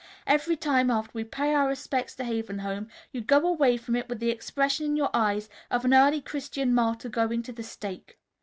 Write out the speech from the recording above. Every time, after we pay our respects to Haven Home, you go away from it with the expression in your eyes of an early Christian martyr going to the stake.